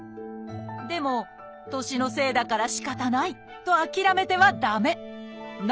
でも年のせいだからしかたないと諦めては駄目。